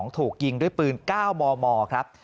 ถูกยิงด้วยปืน๙มมครับ